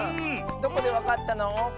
どこでわかったの？